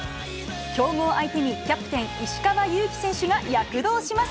強豪相手にキャプテン、石川祐希選手が躍動します。